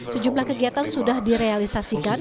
sejumlah kegiatan sudah direalisasikan